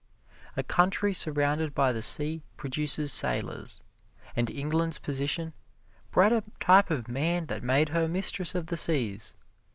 A country surrounded by the sea produces sailors, and England's position bred a type of man that made her mistress of the seas.